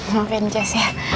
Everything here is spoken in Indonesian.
maafin jess ya